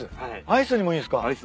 アイスにもいいです。